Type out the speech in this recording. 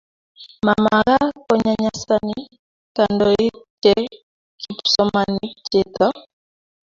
mamaka konyanyasani kandoik che kipsomaninik cheto